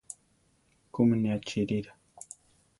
¿Kúmi ne achíirira?